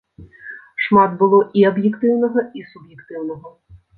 Шмат было і аб'ектыўнага, і суб'ектыўнага.